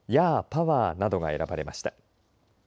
パワー！などが選ばれました。